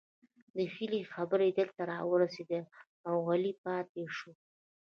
د هيلې خبرې دلته راورسيدې او غلې پاتې شوه